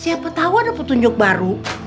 siapa tahu ada petunjuk baru